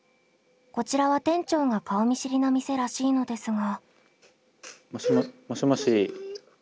こちらは店長が顔見知りの店らしいのですが。